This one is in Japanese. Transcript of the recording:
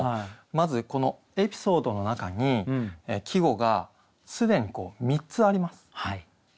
まずこのエピソードの中に季語が既に３つあります。